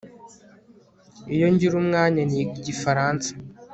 Iyo ngira umwanya niga igifaransa